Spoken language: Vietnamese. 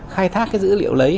khai thác cái dữ liệu lấy